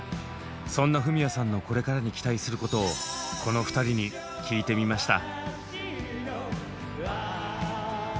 そんなフミヤさんのこれからに期待することをこの２人に聞いてみました。